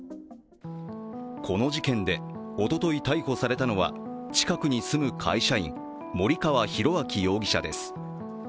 この事件でおととい逮捕されたのは、近くに住む会社員、森川浩昭容疑者です。